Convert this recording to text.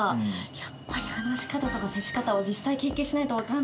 やっぱり話し方とか接し方は実際経験しないと分かんないよね。